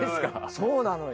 そうなのよ。